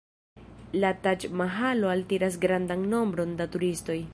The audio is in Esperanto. La Taĝ-Mahalo altiras grandan nombron da turistoj.